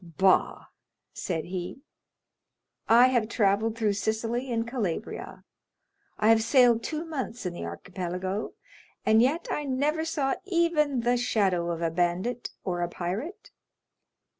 "Bah!" said he, "I have travelled through Sicily and Calabria—I have sailed two months in the Archipelago, and yet I never saw even the shadow of a bandit or a pirate."